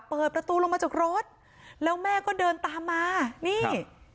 เปิดประตูลงมาจากรถแล้วแม่ก็เดินตามมานี่